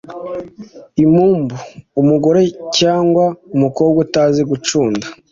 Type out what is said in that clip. impumbu: umugore cyangwa umukobwa utazi gucunda